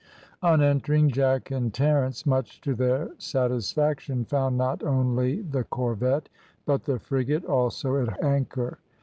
On entering, Jack and Terence, much to their satisfaction, found not only the corvette but the frigate also at anchor.